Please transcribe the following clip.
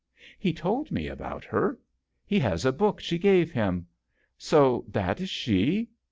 " He told me about her. He has a book she gave him. So that is she